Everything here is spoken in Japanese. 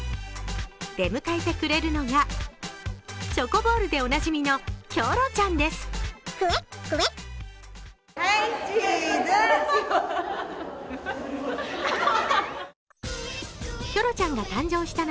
出迎えてくれるのが、チョコボールでおなじみのキョロちゃんです。